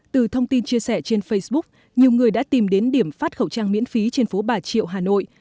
từ thông tin chia sẻ trên facebook nhiều người đã tìm đến điểm phát khẩu trang miễn phí trên phố bà triệu hà nội